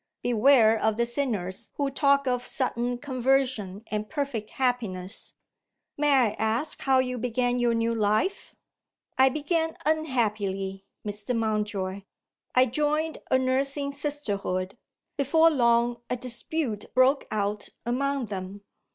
Beware of the sinners who talk of sudden conversion and perfect happiness. May I ask how you began your new life?" "I began unhappily, Mr. Mountjoy I joined a nursing Sisterhood. Before long, a dispute broke out among them.